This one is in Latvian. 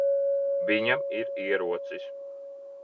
Viņam ir ierocis.